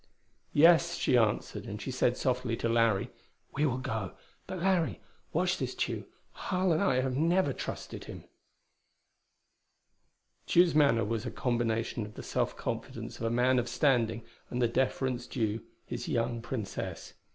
"Yes," she answered, and said softly to Larry, "We will go. But, Larry, watch this Tugh! Harl and I never trusted him." Tugh's manner was a combination of the self confidence of a man of standing and the deference due his young Princess.